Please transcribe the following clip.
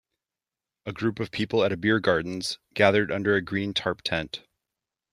A group of people at a Beer Gardens , gathered under a green tarp tent.